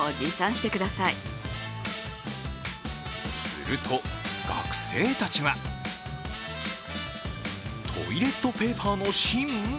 すると学生たちはトイレットペーパーの芯？